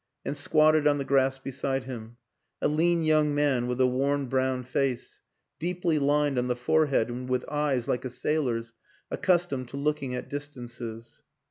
and squatted on the grass beside him: a lean young man with a worn brown face deeply lined on the forehead and with eyes, like a sailor's, accustomed to looking at distances.